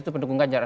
saya eko kuntadi